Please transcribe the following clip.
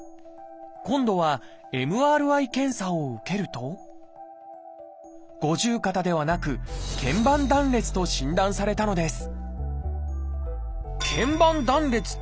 今度はＭＲＩ検査を受けると五十肩ではなく「腱板断裂」と診断されたのです